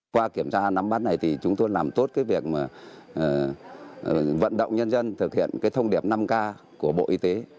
qua kiểm tra nắm bắt này thì chúng tôi làm tốt cái việc vận động nhân dân thực hiện cái thông điệp năm k của bộ y tế